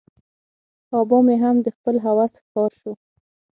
آبا مې هم د خپل هوس ښکار شو.